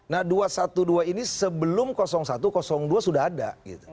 nah dua ratus dua belas ini sebelum satu dua sudah ada